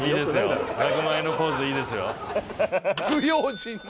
１００万円のポーズでいいですよ。